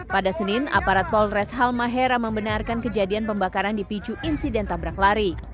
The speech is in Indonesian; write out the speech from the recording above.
pada senin aparat polres halmahera membenarkan kejadian pembakaran dipicu insiden tabrak lari